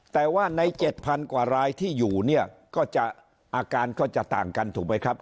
แต่ว่าใน๗๐๐กว่ารายที่อยู่เนี่ยก็จะอาการก็จะต่างกันถูกไหมครับ